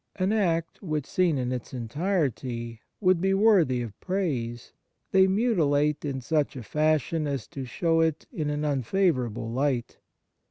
An act which, seen in its entirety, would be worthy of praise, they mutilate in such a fashion as to show it in an unfavourable light.